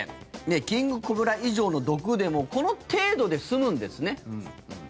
キングコブラ以上の毒でもこの程度で済むんですね。